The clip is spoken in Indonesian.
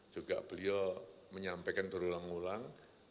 juga beliau menyampaikan berulang ulang